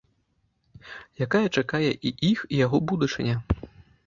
Якая чакае і іх і яго будучыня?